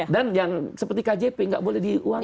dan yang seperti kjp nggak boleh diuangin